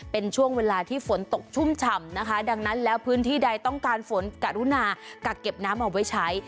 เป็นช่วงเวลาที่ฝนตกชุ่มฉ่ำนะคะดังนั้นแล้วพื้นที่ใดต้องการฝนกรุณากักเก็บน้ำเอาไว้ใช้